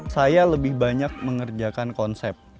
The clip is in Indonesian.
saya lebih banyak mengerjakan konsep